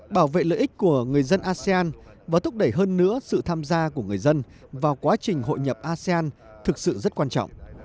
bảo vệ lợi ích của người dân asean và thúc đẩy hơn nữa sự tham gia của người dân vào quá trình hội nhập asean thực sự rất quan trọng